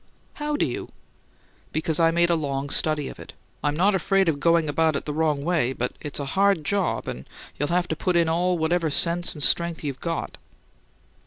"How do you?" "Because I made a long study of it. I'm not afraid of going about it the wrong way; but it's a hard job and you'll have to put in all whatever sense and strength you've got."